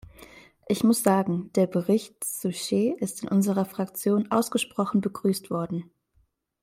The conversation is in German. Ich muss sagen, der Bericht Souchet ist in unserer Fraktion ausgesprochen begrüßt worden.